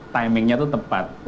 timingnya tuh tepat